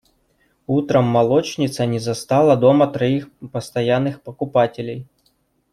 Утром молочница не застала дома троих постоянных покупателей.